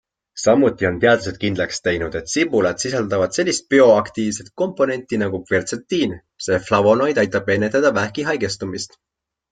Samuti on teadlased kindlaks teinud, et sibulad sisaldavad sellist bioaktiivset komponenti nagu kvertsetiin - see flavonoid aitab ennetada vähki haigestumist.